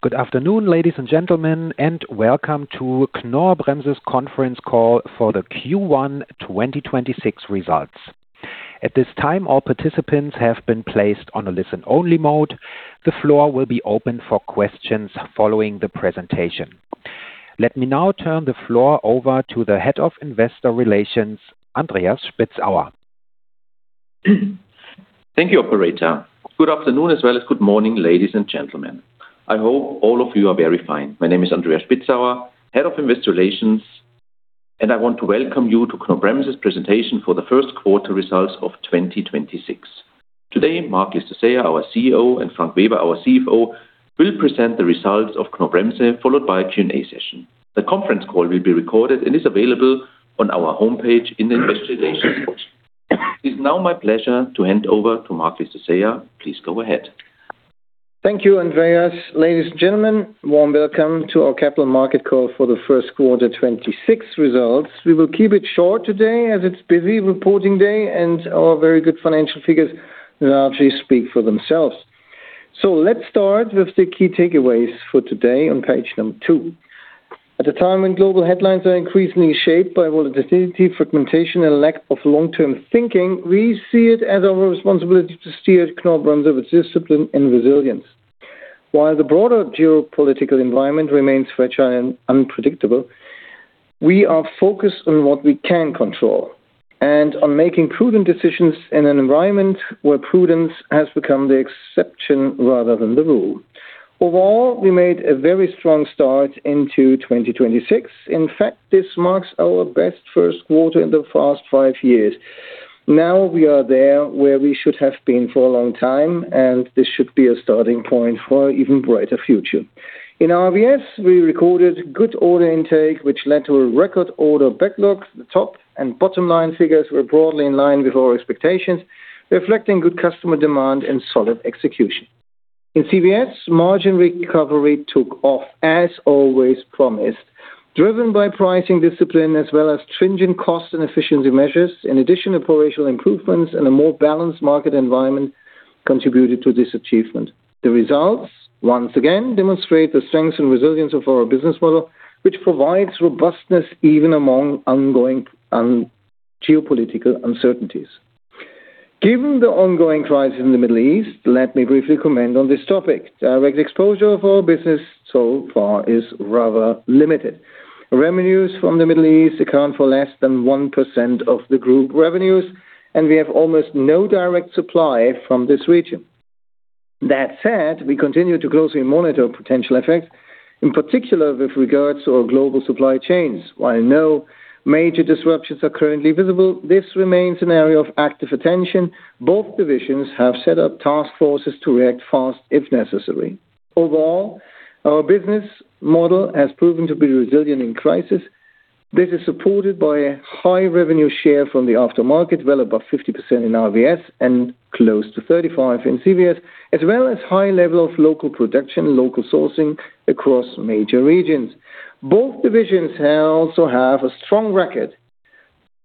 Good afternoon, ladies and gentlemen, welcome to Knorr-Bremse's conference call for the Q1 2026 results. At this time, all participants have been placed on a listen-only mode. The floor will be open for questions following the presentation. Let me now turn the floor over to the Head of Investor Relations, Andreas Spitzauer. Thank you, operator. Good afternoon, as well as good morning, ladies and gentlemen. I hope all of you are very fine. My name is Andreas Spitzauer, Head of Investor Relations, and I want to welcome you to Knorr-Bremse's presentation for the first quarter results of 2026. Today, Marc Llistosella, our CEO, and Frank Weber, our CFO, will present the results of Knorr-Bremse, followed by a Q&A session. The conference call will be recorded and is available on our homepage in the investor relations port. It's now my pleasure to hand over to Marc Llistosella. Please go ahead. Thank you, Andreas. Ladies and gentlemen, warm welcome to our capital market call for the first quarter 2026 results. We will keep it short today as it's busy reporting day and our very good financial figures largely speak for themselves. Let's start with the key takeaways for today on page 2. At a time when global headlines are increasingly shaped by volatility, fragmentation, and lack of long-term thinking, we see it as our responsibility to steer Knorr-Bremse with discipline and resilience. While the broader geopolitical environment remains fragile and unpredictable, we are focused on what we can control and on making prudent decisions in an environment where prudence has become the exception rather than the rule. Overall, we made a very strong start into 2026. In fact, this marks our best first quarter in the past five years. We are there where we should have been for a long time, and this should be a starting point for an even brighter future. In RVS, we recorded good order intake, which led to a record order backlog. The top and bottom line figures were broadly in line with our expectations, reflecting good customer demand and solid execution. In CVS, margin recovery took off, as always promised, driven by pricing discipline as well as stringent cost and efficiency measures. In addition, operational improvements and a more balanced market environment contributed to this achievement. The results once again demonstrate the strength and resilience of our business model, which provides robustness even among ongoing geopolitical uncertainties. Given the ongoing crisis in the Middle East, let me briefly comment on this topic. Direct exposure of our business so far is rather limited. Revenues from the Middle East account for less than 1% of the group revenues, and we have almost no direct supply from this region. That said, we continue to closely monitor potential effects, in particular with regards to our global supply chains. While no major disruptions are currently visible, this remains an area of active attention. Both divisions have set up task forces to react fast if necessary. Overall, our business model has proven to be resilient in crisis. This is supported by a high revenue share from the aftermarket, well above 50% in RVS and close to 35% in CVS, as well as high level of local production, local sourcing across major regions. Both divisions also have a strong record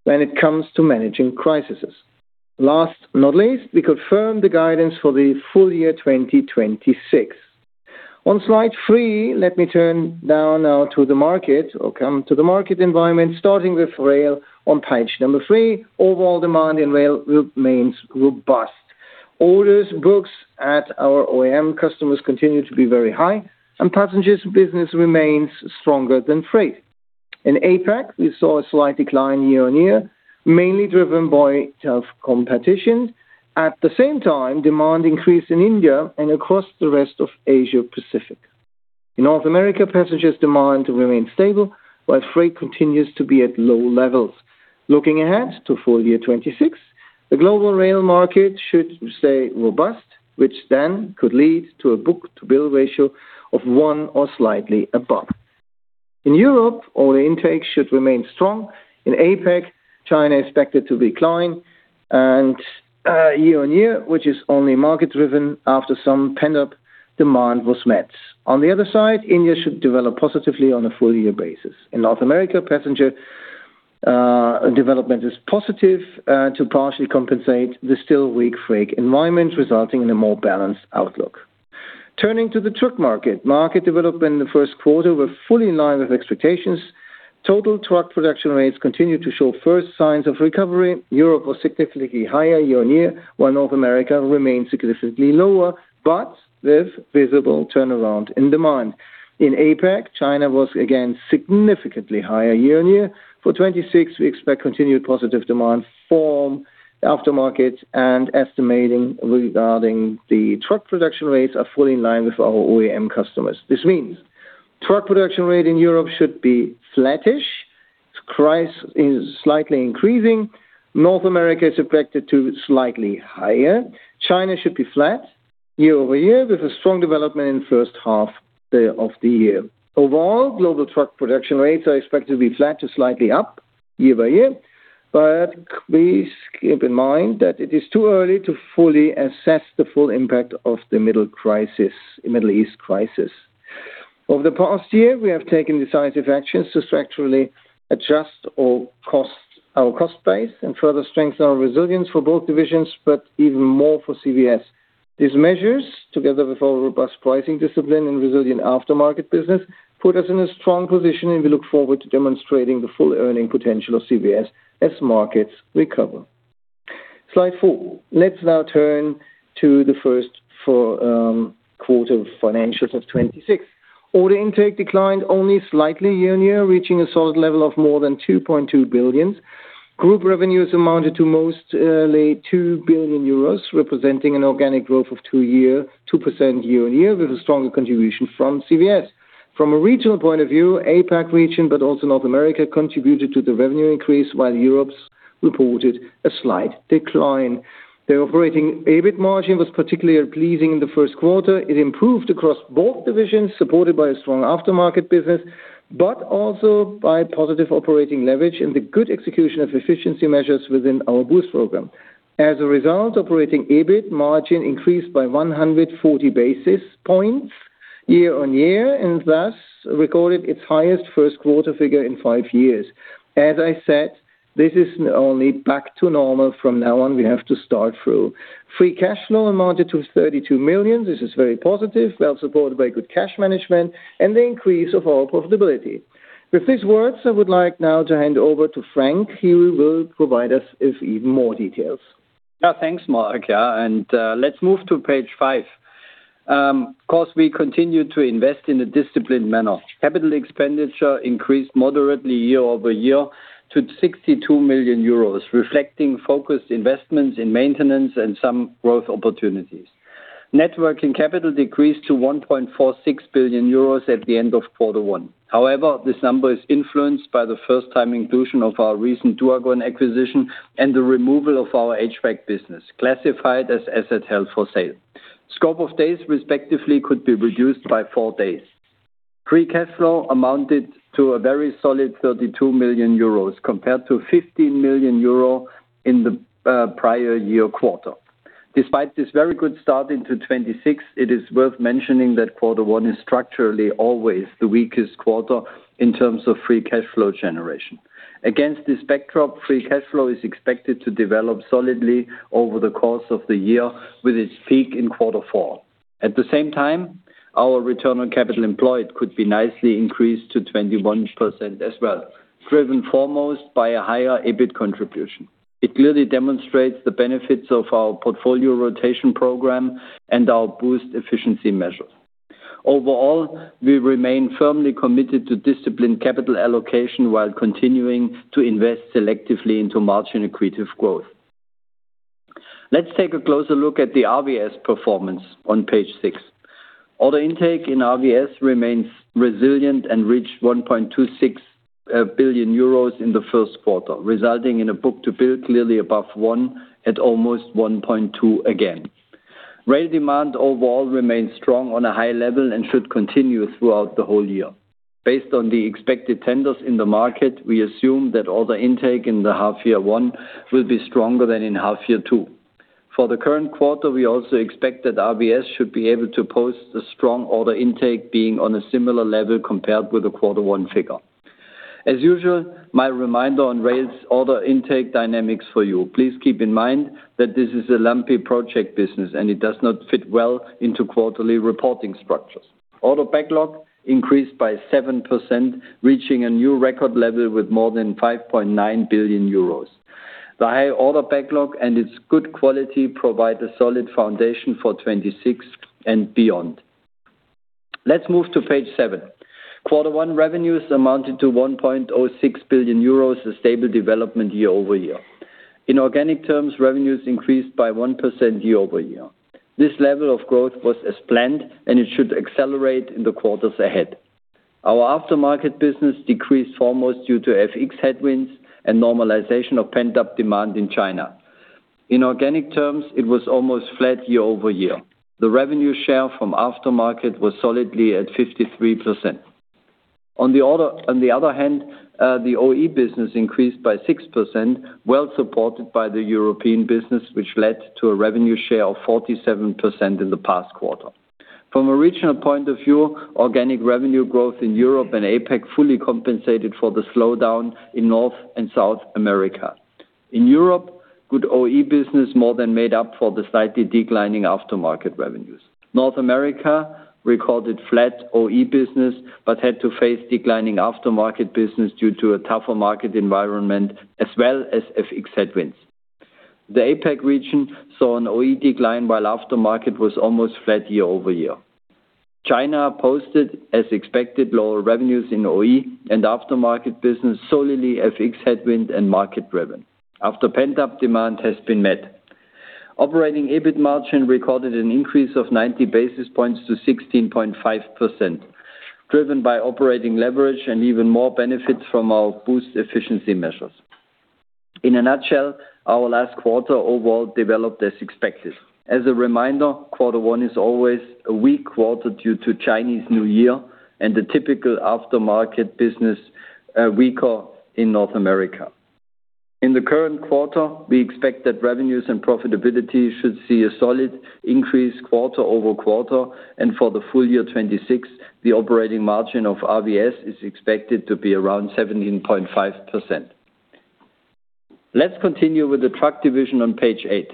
when it comes to managing crises. Last not least, we confirm the guidance for the full year 2026. On slide 3, let me come to the market environment, starting with rail on page number 3. Overall demand in rail remains robust. Order books at our OEM customers continue to be very high, and passengers business remains stronger than freight. In APAC, we saw a slight decline year-on-year, mainly driven by tough competition. At the same time, demand increased in India and across the rest of Asia Pacific. In North America, passengers demand remain stable while freight continues to be at low levels. Looking ahead to full year 2026, the global rail market should stay robust, which then could lead to a book-to-bill ratio of 1 or slightly above. In Europe, order intake should remain strong. In APAC, China expected to decline year-on-year, which is only market-driven after some pent-up demand was met. On the other side, India should develop positively on a full year basis. In North America, passenger development is positive to partially compensate the still weak freight environment, resulting in a more balanced outlook. Turning to the truck market. Market development in the first quarter were fully in line with expectations. Total truck production rates continued to show first signs of recovery. Europe was significantly higher year-on-year, while North America remained significantly lower, but with visible turnaround in demand. In APAC, China was again significantly higher year-on-year. For 2026, we expect continued positive demand from the aftermarket and estimating regarding the truck production rates are fully in line with our OEM customers. This means truck production rate in Europe should be flattish. Its price is slightly increasing. North America is expected to slightly higher. China should be flat year-over-year with a strong development in 1st half of the year. Overall, global truck production rates are expected to be flat to slightly up year-over-year. Please keep in mind that it is too early to fully assess the full impact of the Middle East crisis. Over the past year, we have taken decisive actions to structurally adjust our cost base and further strengthen our resilience for both divisions, but even more for CVS. These measures, together with our robust pricing discipline and resilient aftermarket business, put us in a strong position. We look forward to demonstrating the full earning potential of CVS as markets recover. Slide 4. Let's now turn to the first quarter of financials of 2026. Order intake declined only slightly year-over-year, reaching a solid level of more than 2.2 billion. Group revenues amounted to mostly 2 billion euros, representing an organic growth of 2% year-on-year, with a stronger contribution from CVS. From a regional point of view, APAC region, but also North America, contributed to the revenue increase, while Europe reported a slight decline. The operating EBIT margin was particularly pleasing in the first quarter. It improved across both divisions, supported by a strong aftermarket business, but also by positive operating leverage and the good execution of efficiency measures within our BOOST program. As a result, operating EBIT margin increased by 140 basis points year-on-year, and thus recorded its highest first quarter figure in five years. As I said, this is only back to normal. From now on, we have to start through. Free cash flow amounted to 32 million. This is very positive, well supported by good cash management and the increase of our profitability. With these words, I would like now to hand over to Frank. He will provide us with even more details. Thanks, Marc. Let's move to page 5. Of course, we continue to invest in a disciplined manner. Capital expenditure increased moderately year-over-year to 62 million euros, reflecting focused investments in maintenance and some growth opportunities. Net working capital decreased to 1.46 billion euros at the end of quarter one. However, this number is influenced by the first-time inclusion of our recent Duagon acquisition and the removal of our HVAC business, classified as asset held for sale. Scope of days respectively could be reduced by four days. Free cash flow amounted to a very solid 32 million euros compared to 15 million euro in the prior year quarter. Despite this very good start into 2026, it is worth mentioning that quarter one is structurally always the weakest quarter in terms of Free cash flow generation. Against this backdrop, free cash flow is expected to develop solidly over the course of the year, with its peak in quarter four. At the same time, our Return on Capital Employed could be nicely increased to 21% as well, driven foremost by a higher EBIT contribution. It clearly demonstrates the benefits of our portfolio rotation program and our BOOST efficiency measures. Overall, we remain firmly committed to disciplined capital allocation while continuing to invest selectively into margin accretive growth. Let's take a closer look at the RVS performance on page 6. Order intake in RVS remains resilient and reached 1.26 billion euros in the first quarter, resulting in a book-to-bill clearly above 1 at almost 1.2 again. Rail demand overall remains strong on a high level and should continue throughout the whole year. Based on the expected tenders in the market, we assume that order intake in the half year 1 will be stronger than in half year 2. For the current quarter, we also expect that RVS should be able to post a strong order intake being on a similar level compared with the quarter 1 figure. As usual, my reminder on rail's order intake dynamics for you. Please keep in mind that this is a lumpy project business, and it does not fit well into quarterly reporting structures. Order backlog increased by 7%, reaching a new record level with more than 5.9 billion euros. The high order backlog and its good quality provide a solid foundation for 2026 and beyond. Let's move to page 7. Quarter 1 revenues amounted to 1.06 billion euros, a stable development year-over-year. In organic terms, revenues increased by 1% year-over-year. This level of growth was as planned, and it should accelerate in the quarters ahead. Our aftermarket business decreased foremost due to FX headwinds and normalization of pent-up demand in China. In organic terms, it was almost flat year-over-year. The revenue share from aftermarket was solidly at 53%. On the other hand, the OE business increased by 6%, well supported by the European business, which led to a revenue share of 47% in the past quarter. From a regional point of view, organic revenue growth in Europe and APAC fully compensated for the slowdown in North and South America. In Europe, good OE business more than made up for the slightly declining aftermarket revenues. North America recorded flat OE business but had to face declining aftermarket business due to a tougher market environment as well as FX headwinds. The APAC region saw an OE decline while aftermarket was almost flat year-over-year. China posted, as expected, lower revenues in OE and aftermarket business, solely FX headwind and market driven after pent-up demand has been met. Operating EBIT margin recorded an increase of 90 basis points to 16.5%, driven by operating leverage and even more benefit from our BOOST efficiency measures. In a nutshell, our last quarter overall developed as expected. As a reminder, quarter one is always a weak quarter due to Chinese New Year and the typical aftermarket business, weaker in North America. In the current quarter, we expect that revenues and profitability should see a solid increase quarter-over-quarter. For the full year 2026, the operating margin of RVS is expected to be around 17.5%. Let's continue with the truck division on page 8.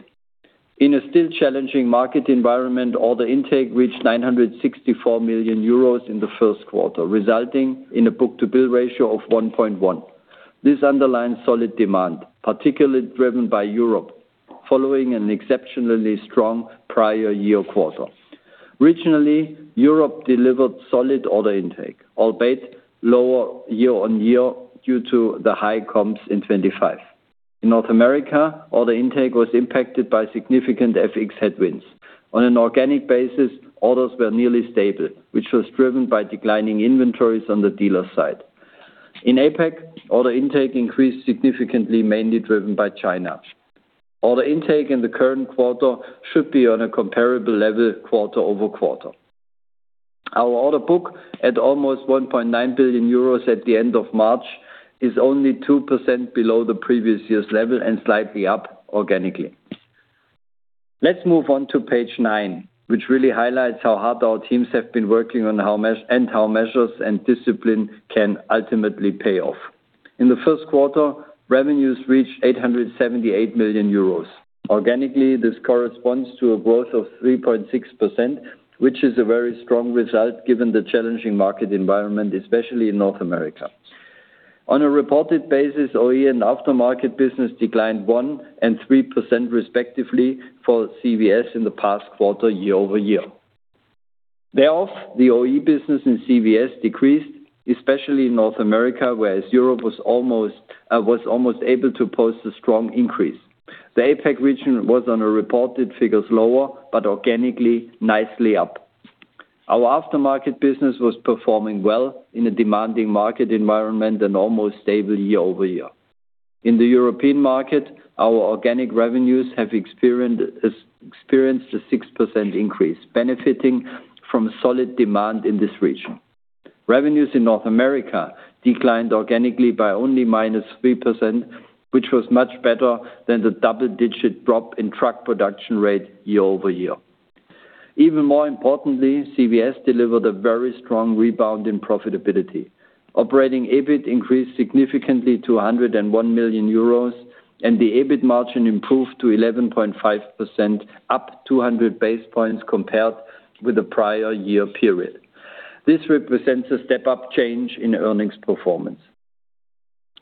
In a still challenging market environment, order intake reached 964 million euros in the first quarter, resulting in a book-to-bill ratio of 1.1. This underlines solid demand, particularly driven by Europe, following an exceptionally strong prior year quarter. Regionally, Europe delivered solid order intake, albeit lower year-on-year due to the high comps in 2025. In North America, order intake was impacted by significant FX headwinds. On an organic basis, orders were nearly stable, which was driven by declining inventories on the dealer side. In APAC, order intake increased significantly, mainly driven by China. Order intake in the current quarter should be on a comparable level quarter-over-quarter. Our order book at almost 1.9 billion euros at the end of March is only 2% below the previous year's level and slightly up organically. Let's move on to page 9, which really highlights how hard our teams have been working on how measures and discipline can ultimately pay off. In the first quarter, revenues reached 878 million euros. Organically, this corresponds to a growth of 3.6%, which is a very strong result given the challenging market environment, especially in North America. On a reported basis, OE and aftermarket business declined 1% and 3% respectively for CVS in the past quarter year-over-year. Thereof, the OE business in CVS decreased, especially in North America, whereas Europe was almost able to post a strong increase. The APAC region was on a reported figures lower, but organically nicely up. Our aftermarket business was performing well in a demanding market environment and almost stable year-over-year. In the European market, our organic revenues have experienced a 6% increase, benefiting from solid demand in this region. Revenues in North America declined organically by only -3%, which was much better than the double-digit drop in truck production rate year-over-year. Even more importantly, CVS delivered a very strong rebound in profitability. Operating EBIT increased significantly to 101 million euros, and the EBIT margin improved to 11.5%, up 200 basis points compared with the prior year period. This represents a step up change in earnings performance.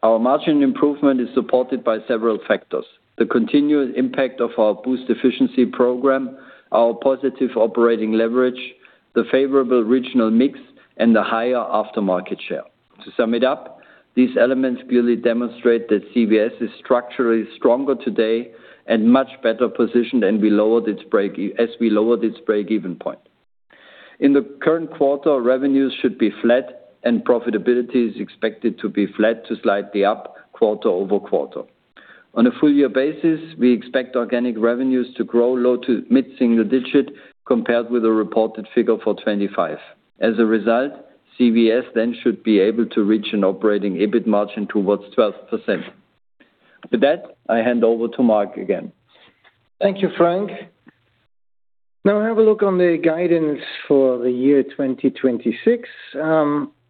Our margin improvement is supported by several factors. The continuous impact of our BOOST Efficiency program, our positive operating leverage, the favorable regional mix, and the higher aftermarket share. To sum it up, these elements clearly demonstrate that CVS is structurally stronger today and much better positioned, as we lowered its break-even point. In the current quarter, revenues should be flat, and profitability is expected to be flat to slightly up quarter-over-quarter. On a full-year basis, we expect organic revenues to grow low to mid-single-digit compared with the reported figure for 2025. As a result, CVS then should be able to reach an operating EBIT margin towards 12%. With that, I hand over to Marc again. Thank you, Frank. Have a look on the guidance for the year 2026.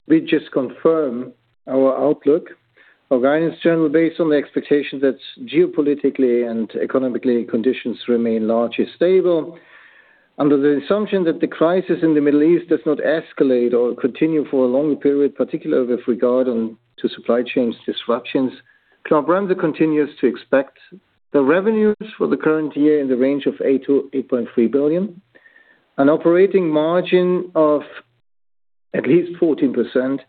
We just confirm our outlook. Our guidance generally based on the expectation that geopolitically and economically conditions remain largely stable. Under the assumption that the crisis in the Middle East does not escalate or continue for a long period, particularly with regard on to supply chains disruptions, Knorr-Bremse continues to expect the revenues for the current year in the range of 8 billion-8.3 billion, an operating margin of at least 14%,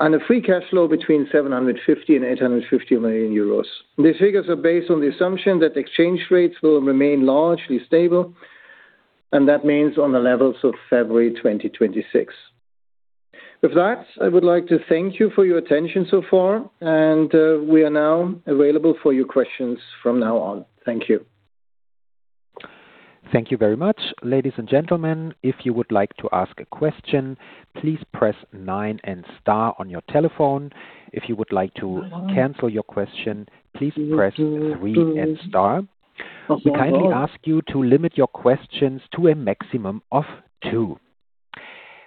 and a free cash flow between 750 million and 850 million euros. These figures are based on the assumption that exchange rates will remain largely stable, and that means on the levels of February 2026. With that, I would like to thank you for your attention so far, and we are now available for your questions from now on. Thank you. Thank you very much. Ladies and gentlemen, if you would like to ask a question, please press nine and star on your telephone. If you would like to cancel your question, please press three and star. We kindly ask you to limit your questions to a maximum of two.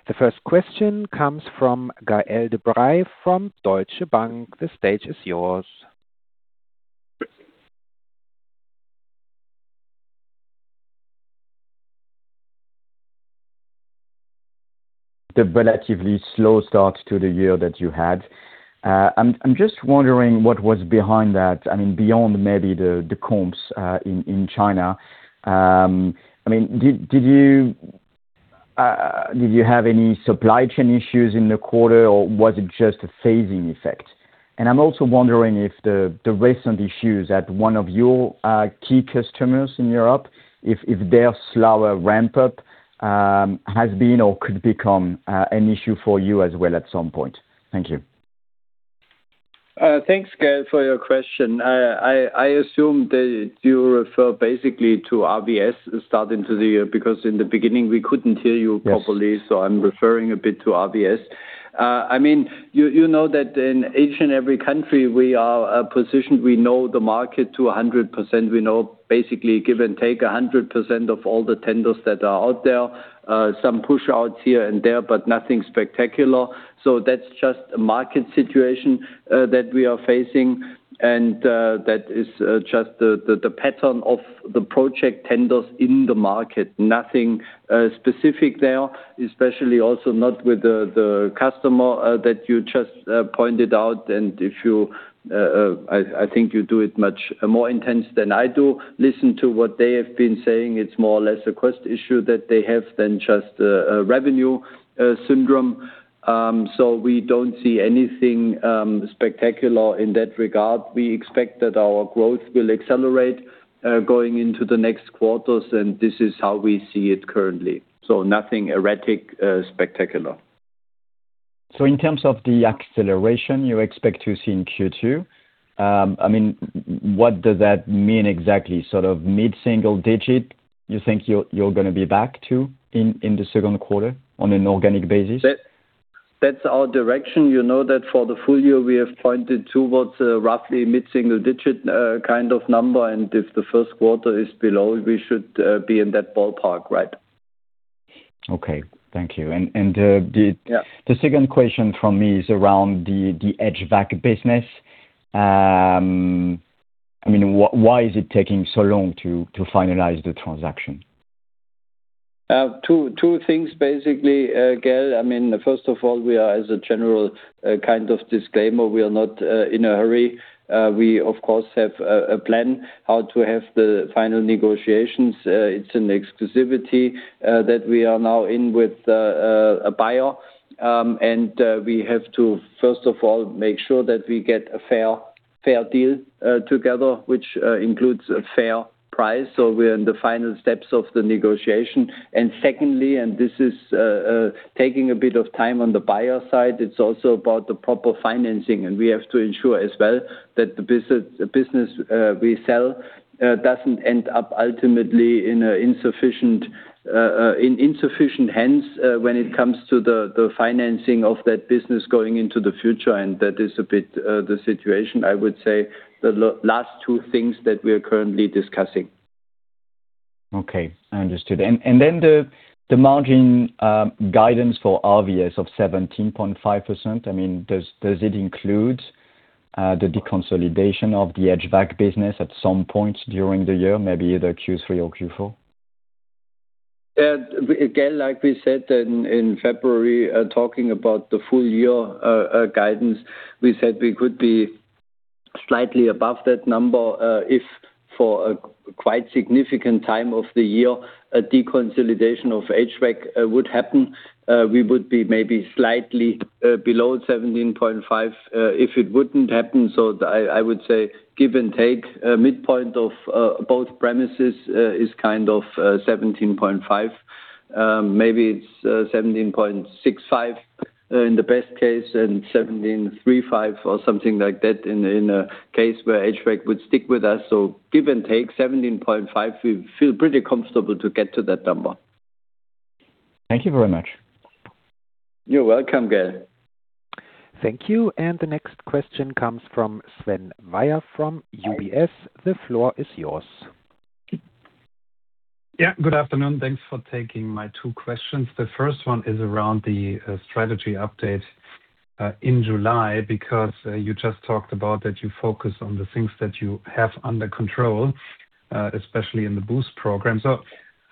The first question comes from Gael de-Bray from Deutsche Bank. The stage is yours. The relatively slow start to the year that you had. I'm just wondering what was behind that. I mean, beyond maybe the comps in China. I mean, did you have any supply chain issues in the quarter, or was it just a phasing effect? I'm also wondering if the recent issues at one of your key customers in Europe, if their slower ramp-up has been or could become an issue for you as well at some point. Thank you. Thanks, Gael, for your question. I assume that you refer basically to RVS starting to the year, because in the beginning, we couldn't hear you properly. Yes. I'm referring a bit to RVS. I mean, you know that in each and every country we are positioned. We know the market to 100%. We know basically, give and take, 100% of all the tenders that are out there. Some push outs here and there, but nothing spectacular. That's just a market situation that we are facing and that is just the pattern of the project tenders in the market. Nothing specific there, especially also not with the customer that you just pointed out. If you, I think you do it much more intense than I do, listen to what they have been saying. It's more or less a cost issue that they have than just a revenue syndrome. We don't see anything spectacular in that regard. We expect that our growth will accelerate going into the next quarters. This is how we see it currently. Nothing erratic, spectacular. In terms of the acceleration you expect to see in Q2, I mean, what does that mean exactly? Sort of mid-single digit, you think you're gonna be back to in the second quarter on an organic basis? That's our direction. You know that for the full year we have pointed towards roughly mid-single digit kind of number. If the first quarter is below, we should be in that ballpark, right? Okay. Thank you. And. Yeah The second question from me is around the HVAC business. I mean, why is it taking so long to finalize the transaction? Two things basically, Gael. I mean, first of all, we are, as a general, kind of disclaimer, we are not in a hurry. We of course have a plan how to have the final negotiations. It's an exclusivity that we are now in with a buyer. We have to first of all, make sure that we get a fair deal together, which includes a fair price. We're in the final steps of the negotiation. Secondly, and this is taking a bit of time on the buyer side, it's also about the proper financing. We have to ensure as well that the business we sell doesn't end up ultimately in insufficient hands when it comes to the financing of that business going into the future. That is a bit the situation, I would say the last two things that we are currently discussing. Okay, understood. Then the margin, guidance for RVS of 17.5%, I mean, does it include the deconsolidation of the HVAC business at some point during the year, maybe either Q3 or Q4? Again, like we said in February, talking about the full year guidance, we said we could be slightly above that number, if for a quite significant time of the year a deconsolidation of HVAC would happen. We would be maybe slightly below 17.5, if it wouldn't happen. I would say give and take, midpoint of both premises, is kind of 17.5. Maybe it's 17.65 in the best case and 17.35 or something like that in a case where HVAC would stick with us. Give and take 17.5, we feel pretty comfortable to get to that number. Thank you very much. You're welcome, Gael. Thank you. The next question comes from Sven Weier from UBS. The floor is yours. Yeah, good afternoon. Thanks for taking my two questions. The first one is around the strategy update in July, because you just talked about that you focus on the things that you have under control, especially in the BOOST program.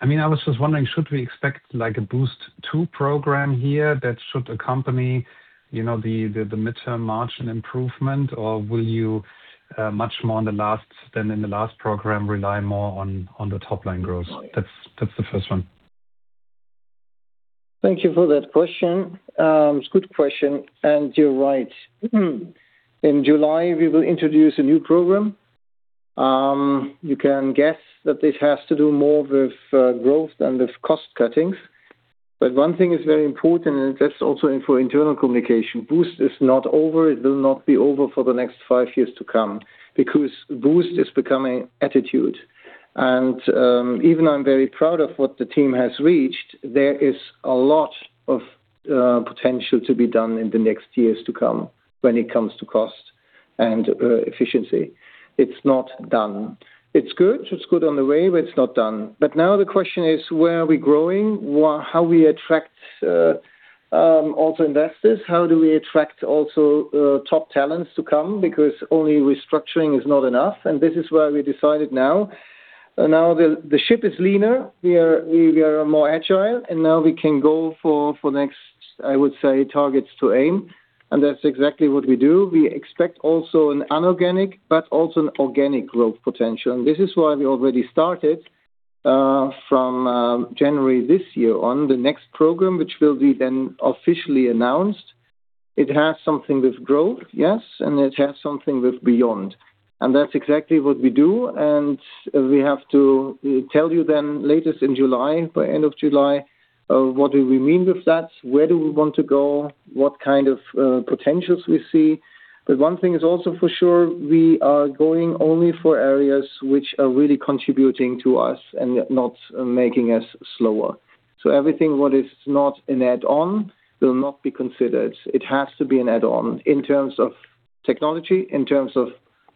I mean, I was just wondering, should we expect like a BOOST 2 program here that should accompany, you know, the midterm margin improvement? Or will you much more than in the last program, rely more on the top line growth? That's the first one. Thank you for that question. It's a good question, you're right. In July, we will introduce a new program. You can guess that this has to do more with growth than with cost cuttings. One thing is very important, and that's also in for internal communication. BOOST is not over. It will not be over for the next five years to come because BOOST is becoming attitude. Even I'm very proud of what the team has reached. There is a lot of potential to be done in the next years to come when it comes to cost and efficiency. It's not done. It's good. It's good on the way, it's not done. Now the question is: Where are we growing? How we attract also investors? How do we attract also top talents to come? Because only restructuring is not enough, and this is where we decided now. Now the ship is leaner. We are more agile, and now we can go for next, I would say, targets to aim, and that's exactly what we do. We expect also an anorganic, but also an organic growth potential. This is why we already started from January this year on the next program, which will be then officially announced. It has something with growth, yes, and it has something with beyond. That's exactly what we do, and we have to tell you then latest in July, by end of July, what do we mean with that? Where do we want to go? What kind of potentials we see? One thing is also for sure, we are going only for areas which are really contributing to us and not making us slower. Everything what is not an add-on will not be considered. It has to be an add-on in terms of technology, in terms of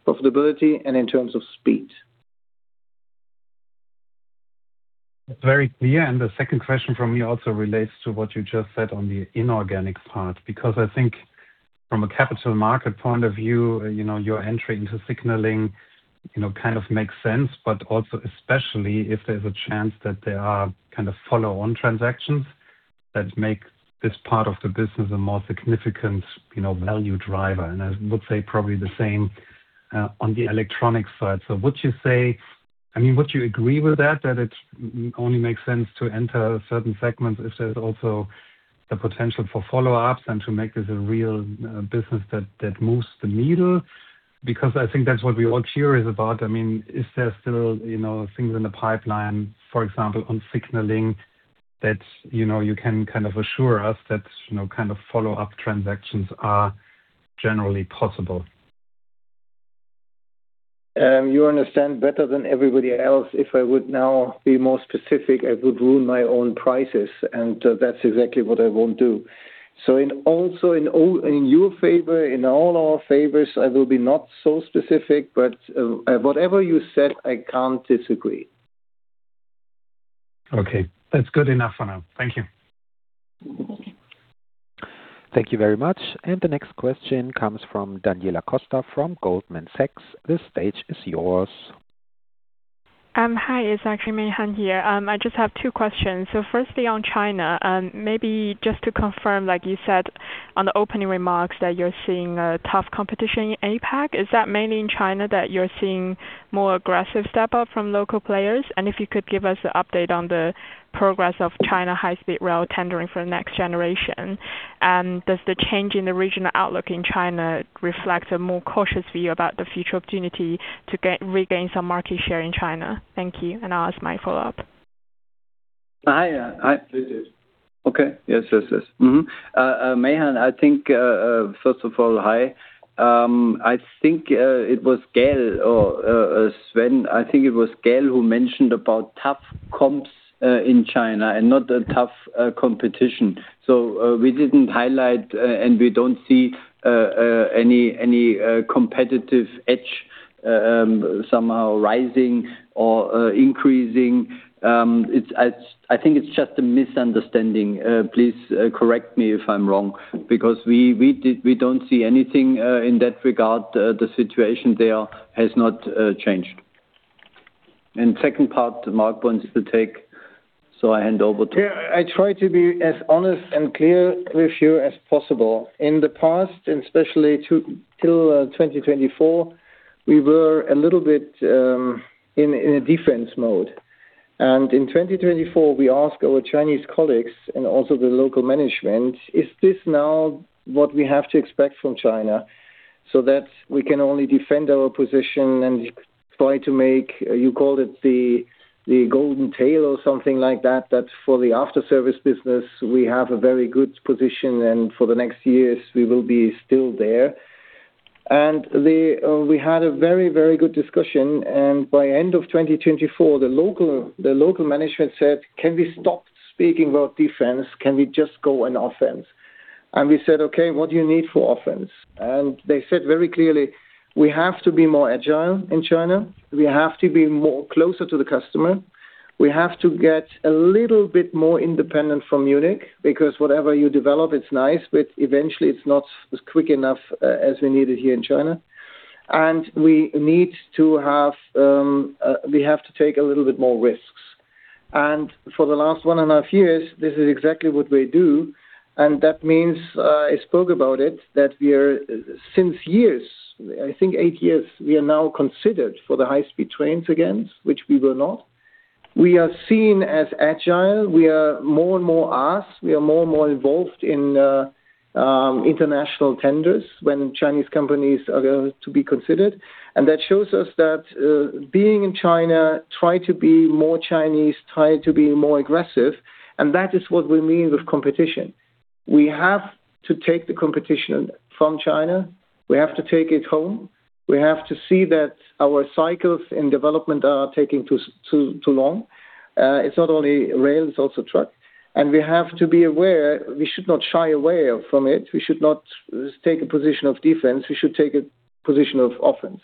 profitability, and in terms of speed. That's very clear. The second question from me also relates to what you just said on the inorganic part, because I think from a capital market point of view, you know, your entry into Signaling, you know, kind of makes sense, but also especially if there's a chance that there are kind of follow-on transactions that make this part of the business a more significant, you know, value driver. I would say probably the same on the electronic side. I mean, would you agree with that it only makes sense to enter certain segments if there's also the potential for follow-ups and to make this a real business that moves the needle? I think that's what we all hear is about. I mean, is there still, you know, things in the pipeline, for example, on Signaling that, you know, you can kind of assure us that, you know, kind of follow-up transactions are generally possible? You understand better than everybody else, if I would now be more specific, I would ruin my own prices, and that's exactly what I won't do. Also in your favor, in all our favors, I will be not so specific, whatever you said, I can't disagree. Okay. That's good enough for now. Thank you. Thank you very much. The next question comes from Daniela Costa from Goldman Sachs. The stage is yours. Hi. It's actually Meihan here. I just have two questions. Firstly, on China. Maybe just to confirm, like you said on the opening remarks that you're seeing a tough competition in APAC. Is that mainly in China that you're seeing more aggressive step up from local players? If you could give us an update on the progress of China high-speed rail tendering for next generation? Does the change in the regional outlook in China reflect a more cautious view about the future opportunity to regain some market share in China? Thank you. I'll ask my follow-up. Hi, hi. Please do. Okay. Yes, yes. Meihan, first of all, hi. I think it was Gael or Sven Weier. I think it was Gael who mentioned about tough comps in China and not a tough competition. We didn't highlight, and we don't see any competitive edge somehow rising or increasing. I think it's just a misunderstanding. Please correct me if I'm wrong because we don't see anything in that regard. The situation there has not changed. Second part, Marc Llistosella wants to take, so I hand over to Marc Llistosella. Yeah. I try to be as honest and clear with you as possible. In the past, and especially till 2024, we were a little bit in a defense mode. In 2024, we asked our Chinese colleagues and also the local management, "Is this now what we have to expect from China so that we can only defend our position and try to make," you called it the golden tail or something like that for the after-service business, we have a very good position, and for the next years we will be still there. We had a very good discussion, and by end of 2024, the local management said, "Can we stop speaking about defense? Can we just go on offense? We said, "Okay, what do you need for offense?" They said very clearly, "We have to be more agile in China. We have to be more closer to the customer. We have to get a little bit more independent from Munich because whatever you develop, it's nice, but eventually it's not as quick enough, as we need it here in China. We have to take a little bit more risks." For the last one and a half years, this is exactly what we do. That means, I spoke about it, since years, I think eight years, we are now considered for the high-speed trains again, which we were not. We are seen as agile. We are more and more asked. We are more and more involved in international tenders when Chinese companies are to be considered. That shows us that being in China, try to be more Chinese, try to be more aggressive, and that is what we mean with competition. We have to take the competition from China. We have to take it home. We have to see that our cycles in development are taking too long. It's not only rail, it's also truck. We have to be aware we should not shy away from it. We should not take a position of defense. We should take a position of offense.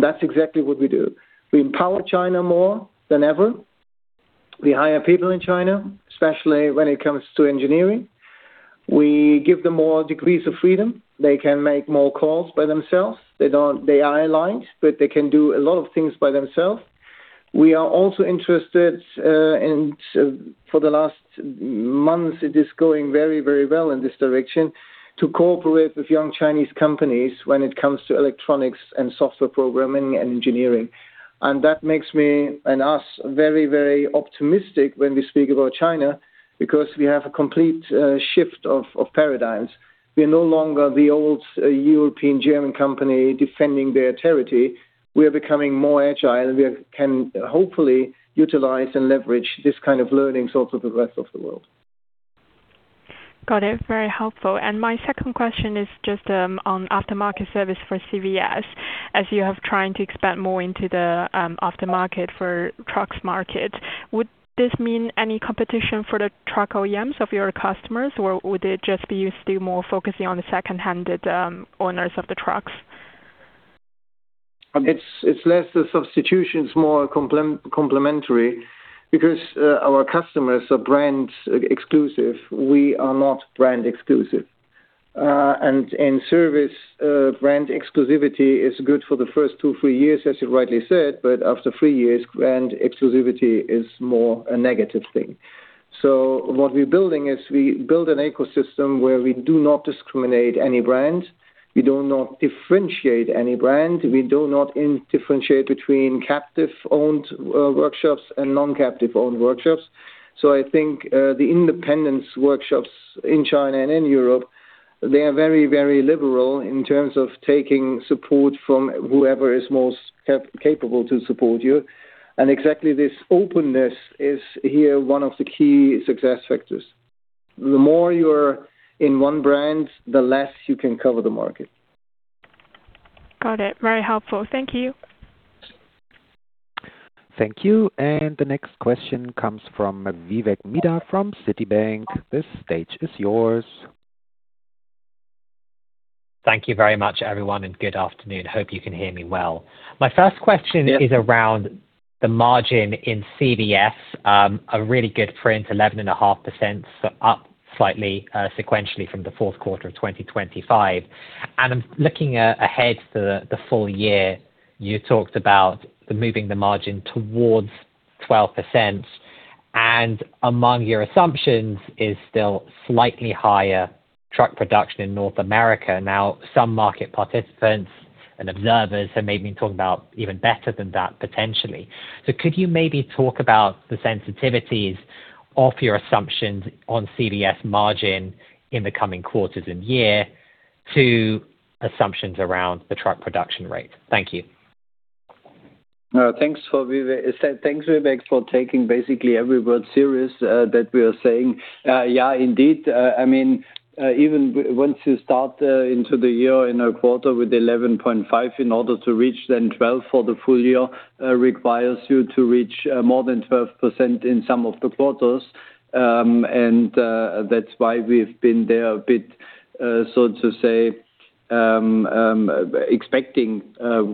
That's exactly what we do. We empower China more than ever. We hire people in China, especially when it comes to engineering. We give them more degrees of freedom. They can make more calls by themselves. They are aligned, but they can do a lot of things by themselves. We are also interested. For the last months, it is going very, very well in this direction to cooperate with young Chinese companies when it comes to electronics and software programming and engineering. That makes me and us very, very optimistic when we speak about China because we have a complete shift of paradigms. We are no longer the old European German company defending their territory. We are becoming more agile, and we can hopefully utilize and leverage this kind of learning sort of the rest of the world. Got it. Very helpful. My second question is just on aftermarket service for CVS. As you have trying to expand more into the aftermarket for trucks market, would this mean any competition for the truck OEMs of your customers? Or would it just be you still more focusing on the secondhand owners of the trucks? It's less the substitution's more complementary because our customers are brand exclusive. We are not brand exclusive. And service, brand exclusivity is good for the first two, three years, as you rightly said. After three years, brand exclusivity is more a negative thing. What we're building is we build an ecosystem where we do not discriminate any brand. We do not differentiate any brand. We do not differentiate between captive-owned workshops and non-captive-owned workshops. I think, the independent workshops in China and in Europe, they are very liberal in terms of taking support from whoever is most capable to support you. Exactly this openness is here one of the key success factors. The more you're in one brand, the less you can cover the market. Got it. Very helpful. Thank you. Thank you. The next question comes from Vivek Midha from Citi. The stage is yours. Thank you very much, everyone, and good afternoon. Hope you can hear me well. Yeah is around the margin in CVS. A really good print, 11.5%, so up slightly sequentially from the Q4 of 2025. I'm looking ahead to the full year. You talked about the moving the margin towards 12%, and among your assumptions is still slightly higher truck production in North America. Now, some market participants and observers have maybe been talking about even better than that, potentially. Could you maybe talk about the sensitivities of your assumptions on CVS margin in the coming quarters and year to assumptions around the truck production rate? Thank you. Thanks, Vivek, for taking basically every word serious that we are saying. Yeah, indeed, I mean, even once you start into the year in a quarter with 11.5, in order to reach then 12 for the full year, requires you to reach more than 12% in some of the quarters. That's why we've been there a bit, so to say, expecting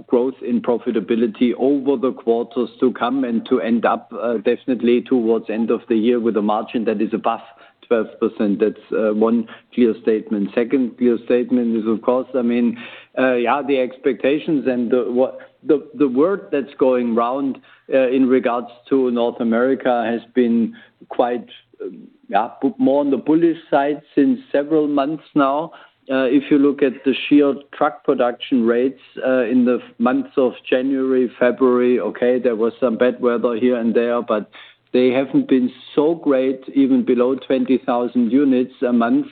growth in profitability over the quarters to come and to end up definitely towards end of the year with a margin that is above 12%. That's one clear statement. Second clear statement is, of course, I mean, the expectations and the work that's going around in regards to North America has been quite put more on the bullish side since several months now. If you look at the sheer truck production rates in the months of January, February, okay, there was some bad weather here and there, but they haven't been so great, even below 20,000 units a month.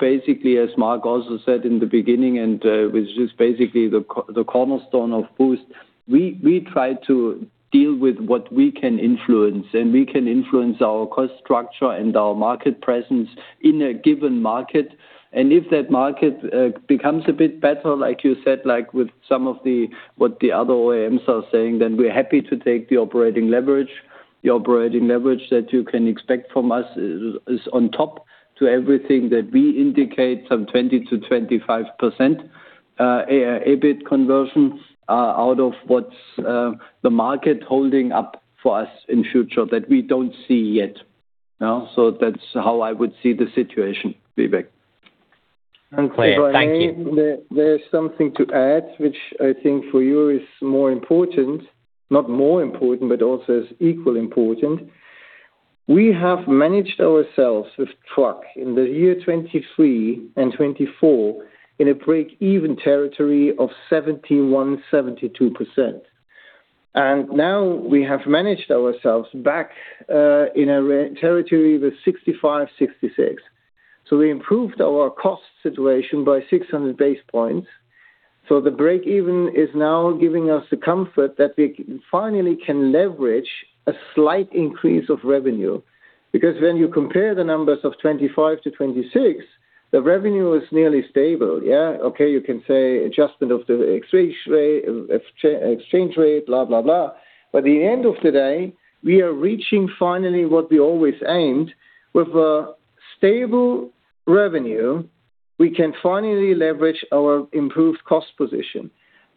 Basically, as Marc also said in the beginning, and which is basically the cornerstone of BOOST, we try to deal with what we can influence, and we can influence our cost structure and our market presence in a given market. If that market becomes a bit better, like you said, like with some of the, what the other OEMs are saying, then we're happy to take the operating leverage. The operating leverage that you can expect from us is on top to everything that we indicate, some 20%-25% EBIT conversion out of what's the market holding up for us in future that we don't see yet. That's how I would see the situation, Vivek. Clear. Thank you. There's something to add, which I think for you is more important, not more important, but also is equally important. We have managed ourselves with truck in the year 2023 and 2024 in a break-even territory of 71%-72%. Now we have managed ourselves back in a territory with 65%-66%. We improved our cost situation by 600 basis points. The break-even is now giving us the comfort that we finally can leverage a slight increase of revenue. When you compare the numbers of 2025 to 2026, the revenue is nearly stable, yeah. Okay, you can say adjustment of the exchange rate, exchange rate, blah, blah. The end of the day, we are reaching finally what we always aimed. With a stable revenue, we can finally leverage our improved cost position.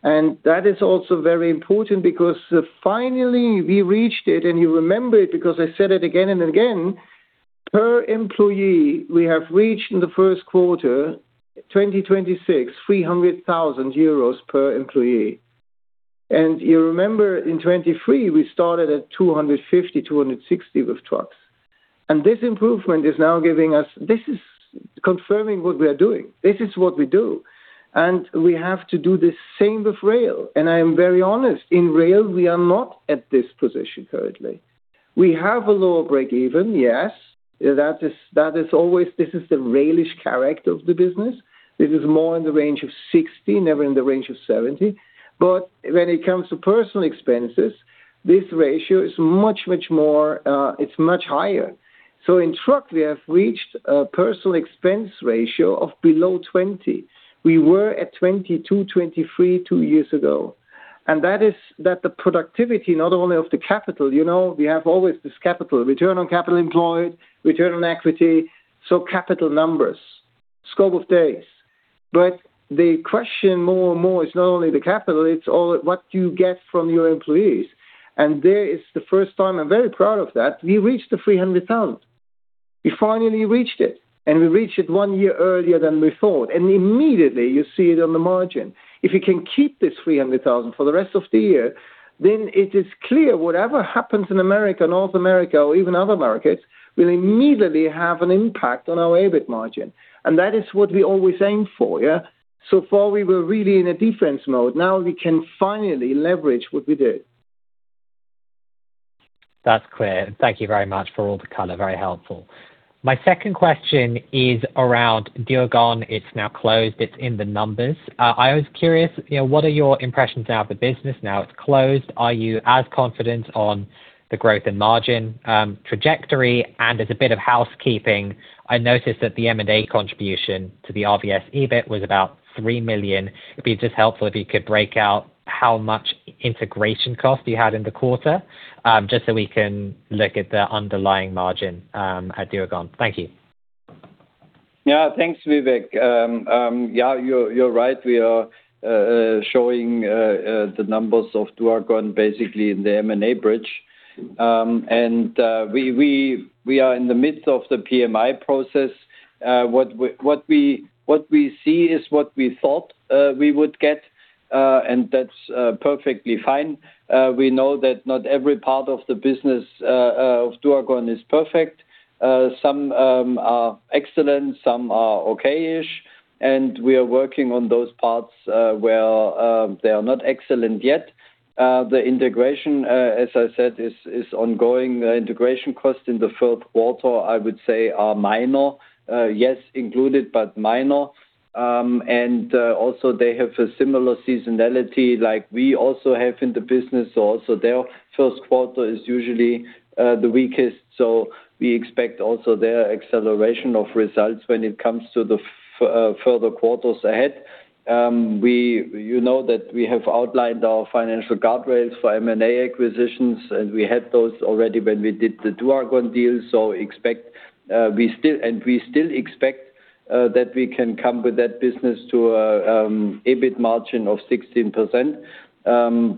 That is also very important because, finally we reached it, and you remember it because I said it again and again, per employee, we have reached in the first quarter 2026, 300,000 euros per employee. You remember in 2023, we started at 250, 260 with trucks. This improvement is now confirming what we are doing. This is what we do. We have to do the same with rail. I am very honest, in rail, we are not at this position currently. We have a lower break even, yes. That is always, this is the railish character of the business. This is more in the range of 60%, never in the range of 70%. When it comes to personal expenses, this ratio is much more, it's much higher. In truck, we have reached a personal expense ratio of below 20. We were at 22, 23 two years ago. That is that the productivity not only of the capital, you know, we have always this capital, Return on Capital Employed, Return on Equity, so capital numbers, Days Sales Outstanding. The question more and more is not only the capital, it's all what do you get from your employees. There is the first time, I am very proud of that, we reached the 300,000. We finally reached it, and we reached it one year earlier than we thought. Immediately, you see it on the margin. If you can keep this 300,000 for the rest of the year, then it is clear whatever happens in America, North America or even other markets will immediately have an impact on our EBIT margin. That is what we always aim for, yeah. So far, we were really in a defense mode. Now we can finally leverage what we do. That's clear. Thank you very much for all the color. Very helpful. My second question is around Duagon. It's now closed. It's in the numbers. I was curious, you know, what are your impressions of the business now it's closed? Are you as confident on the growth and margin trajectory? As a bit of housekeeping, I noticed that the M&A contribution to the RVS EBIT was about 3 million. It'd be just helpful if you could break out how much integration cost you had in the quarter, just so we can look at the underlying margin at Duagon. Thank you. Yeah. Thanks, Vivek. Yeah, you're right. We are showing the numbers of Duagon basically in the M&A bridge. We are in the midst of the PMI process. What we see is what we thought we would get, and that's perfectly fine. We know that not every part of the business of Duagon is perfect. Some are excellent, some are okay-ish, and we are working on those parts where they are not excellent yet. The integration, as I said, is ongoing. Integration cost in the fourth quarter, I would say are minor. Yes, included, but minor. Also, they have a similar seasonality like we also have in the business also. Their first quarter is usually the weakest. We expect also their acceleration of results when it comes to the further quarters ahead. You know that we have outlined our financial guardrails for M&A acquisitions, and we had those already when we did the Duagon deal. Expect we still expect that we can come with that business to EBIT margin of 16%,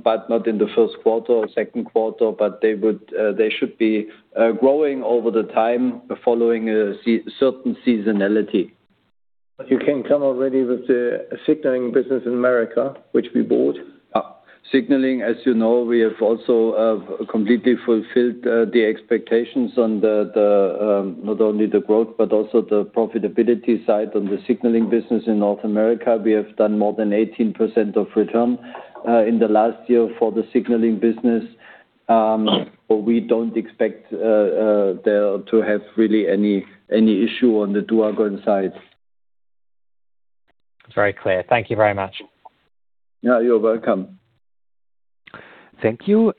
but not in the first quarter or second quarter, but they would they should be growing over the time following a certain seasonality. You can come already with the Signaling business in America, which we bought. Signaling, as you know, we have also completely fulfilled the expectations on the not only the growth but also the profitability side on the Signaling business in North America. We have done more than 18% of return in the last year for the Signaling business. We don't expect there to have really any issue on the Duagon side. Very clear. Thank you very much. Yeah, you're welcome. Thank you.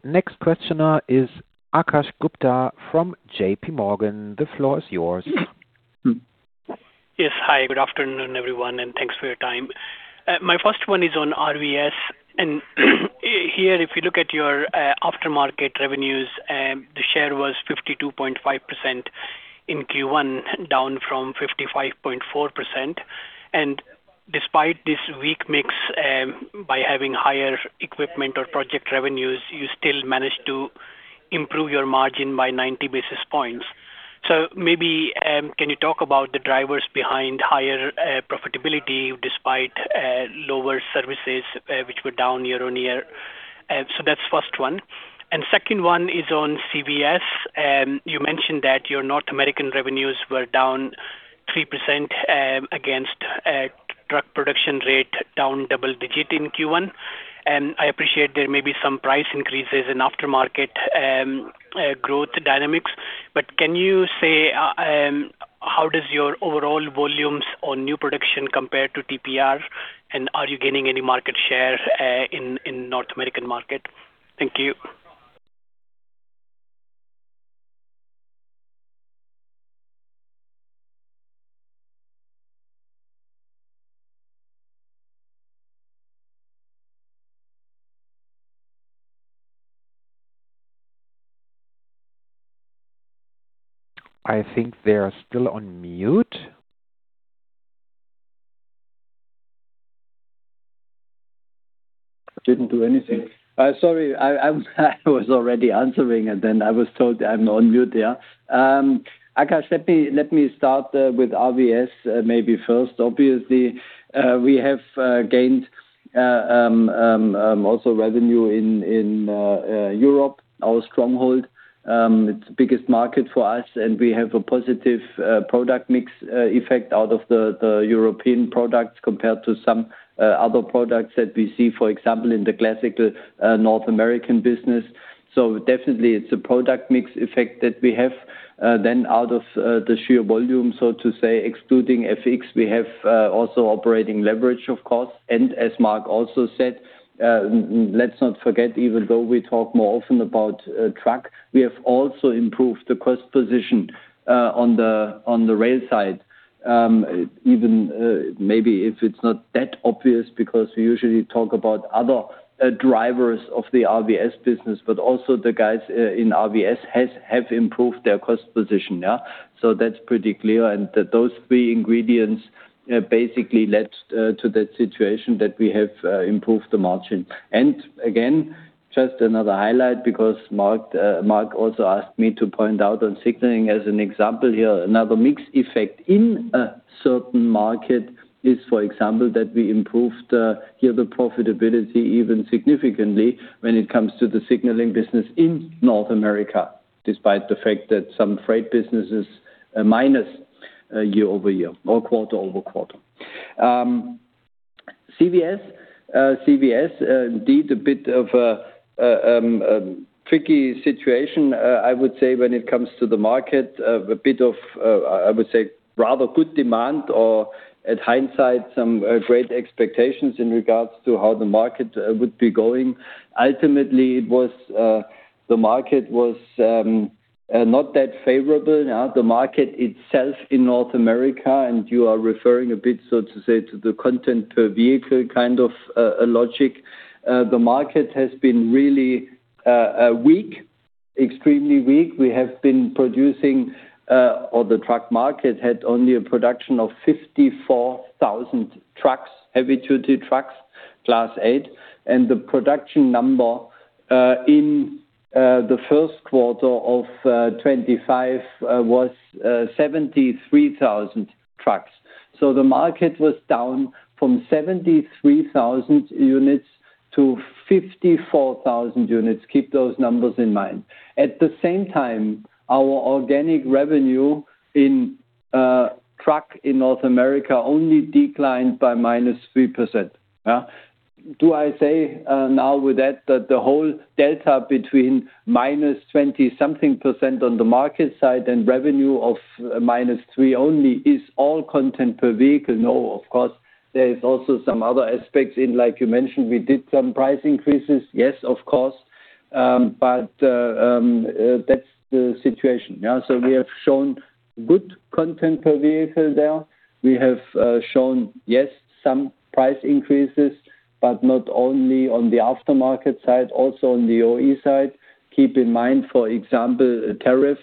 Next questioner is Akash Gupta from JPMorgan. The floor is yours. Yes. Hi, good afternoon, everyone, and thanks for your time. My first one is on RVS. Here, if you look at your aftermarket revenues, the share was 52.5% in Q1, down from 55.4%. Despite this weak mix, by having higher equipment or project revenues, you still managed to improve your margin by 90 basis points. Can you talk about the drivers behind higher profitability despite lower services, which were down year-on-year? That's first one. Second one is on CVS. You mentioned that your North American revenues were down 3%, against truck production rate down double digit in Q1. I appreciate there may be some price increases in aftermarket, growth dynamics. Can you say how does your overall volumes on new production compare to TPR? Are you gaining any market share in North American market? Thank you. I think they are still on mute. Didn't do anything. Sorry, I was already answering, then I was told I'm on mute, yeah. Akash, let me, let me start with RVS, maybe first. Obviously, we have gained also revenue in Europe, our stronghold. It's the biggest market for us, and we have a positive product mix effect out of the European products compared to some other products that we see, for example, in the classical North American business. Definitely it's a product mix effect that we have. Out of the sheer volume, to say, excluding FX, we have also operating leverage, of course. As Marc also said, let's not forget, even though we talk more often about truck, we have also improved the cost position on the rail side. Even, maybe if it's not that obvious because we usually talk about other drivers of the RVS business, but also the guys in RVS have improved their cost position, yeah. That's pretty clear. Those three ingredients basically led to that situation that we have improved the margin. Again, just another highlight because Marc also asked me to point out on Signaling as an example here. Another mix effect in a certain market is, for example, that we improved here the profitability even significantly when it comes to the Signaling business in North America, despite the fact that some freight business is minus year-over-year or quarter-over-quarter. CVS indeed a bit of a tricky situation, I would say when it comes to the market. A bit of I would say rather good demand or at hindsight some great expectations in regards to how the market would be going. Ultimately, it was the market was not that favorable. The market itself in North America, and you are referring a bit, so to say, to the content per vehicle kind of logic. The market has been really weak, extremely weak. We have been producing, or the truck market had only a production of 54,000 trucks, heavy duty trucks, Class 8. The production number in the first quarter of 2025 was 73,000 trucks. The market was down from 73,000 units to 54,000 units. Keep those numbers in mind. At the same time, our organic revenue in truck in North America only declined by -3%, yeah. Do I say now with that the whole delta between -20% something on the market side and revenue of -3 only is all content per vehicle? No, of course, there is also some other aspects in, like you mentioned, we did some price increases. Yes, of course. That's the situation, yeah. We have shown good content per vehicle there. We have shown, yes, some price increases, but not only on the aftermarket side, also on the OE side. Keep in mind, for example, tariff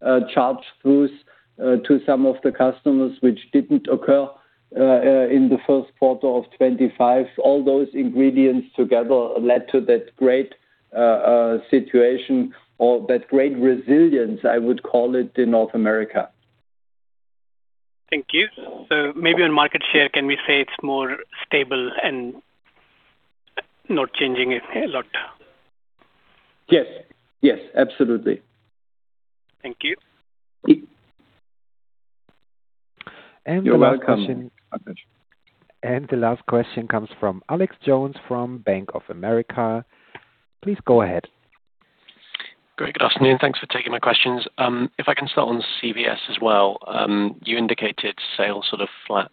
charge-throughs to some of the customers which didn't occur in the first quarter of 2025. All those ingredients together led to that great situation or that great resilience, I would call it, in North America. Thank you. Maybe on market share, can we say it's more stable and not changing a lot? Yes. Yes, absolutely. Thank you. You're welcome. The last question comes from Alex Jones from Bank of America. Please go ahead. Great. Good afternoon. Thanks for taking my questions. If I can start on CVS as well. You indicated sales sort of flat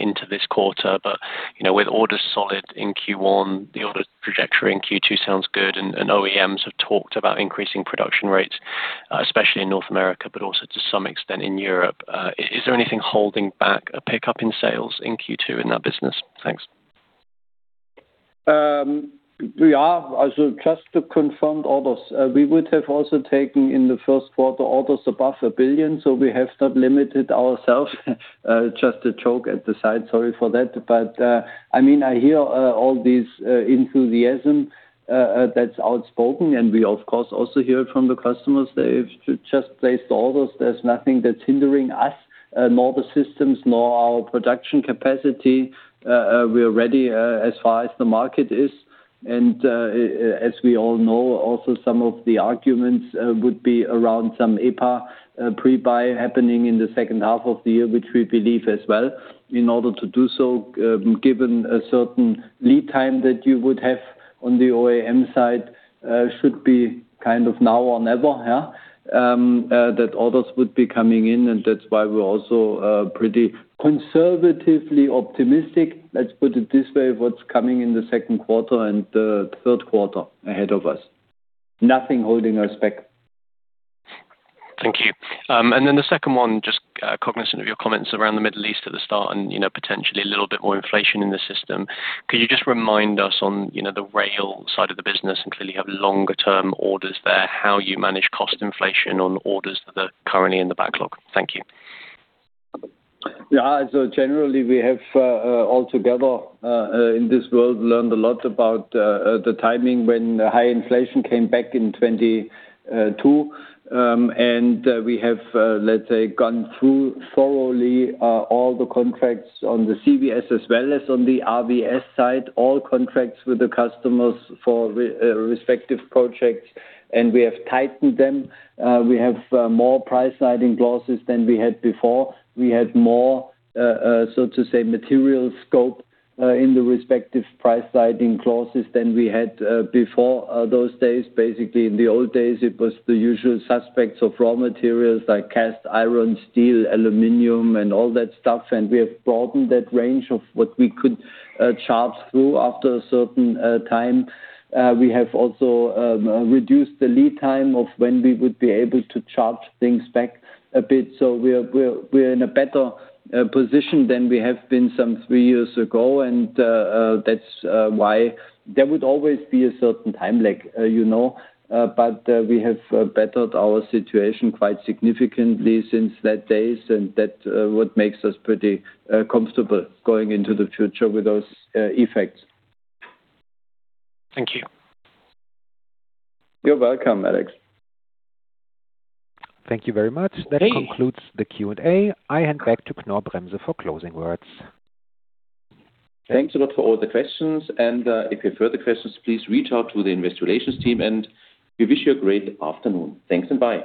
into this quarter, but, you know, with orders solid in Q1, the order trajectory in Q2 sounds good and OEMs have talked about increasing production rates, especially in North America, but also to some extent in Europe. Is there anything holding back a pickup in sales in Q2 in that business? Thanks. We are. Also just to confirm orders. We would have also taken in the first quarter orders above 1 billion. We have not limited ourselves. Just a joke at the side. Sorry for that. I mean, I hear all this enthusiasm that's outspoken, and we of course also hear it from the customers. They've just placed orders. There's nothing that's hindering us, nor the systems, nor our production capacity. We're ready as far as the market is. As we all know, also some of the arguments would be around some EPA pre-buy happening in the second half of the year, which we believe as well. In order to do so, given a certain lead time that you would have on the OEM side, should be kind of now or never, that orders would be coming in. That's why we're also pretty conservatively optimistic. Let's put it this way, what's coming in the second quarter and the third quarter ahead of us. Nothing holding us back. Thank you. The second one, just cognizant of your comments around the Middle East at the start and, you know, potentially a little bit more inflation in the system. Could you just remind us on, you know, the rail side of the business and clearly you have longer term orders there, how you manage cost inflation on orders that are currently in the backlog? Thank you. Generally, we have all together in this world, learned a lot about the timing when high inflation came back in 2022. We have, let's say, gone through thoroughly all the contracts on the CVS as well as on the RVS side, all contracts with the customers for respective projects, and we have tightened them. We have more price-sliding clauses than we had before. We had more, so to say, material scope in the respective price-sliding clauses than we had before those days. Basically, in the old days, it was the usual suspects of raw materials like cast iron, steel, aluminum and all that stuff. We have broadened that range of what we could charge through after a certain time. We have also reduced the lead time of when we would be able to charge things back a bit. We're in a better position than we have been some three years ago. That's why there would always be a certain time lag, you know. We have bettered our situation quite significantly since those days, and that what makes us pretty comfortable going into the future with those effects. Thank you. You're welcome, Alex. Thank you very much. Hey. That concludes the Q&A. I hand back to Knorr-Bremse for closing words. Thanks a lot for all the questions. If you have further questions, please reach out to the Investor Relations team, and we wish you a great afternoon. Thanks and bye.